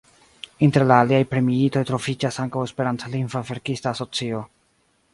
Inter la aliaj premiitoj troviĝas ankaŭ Esperantlingva Verkista Asocio.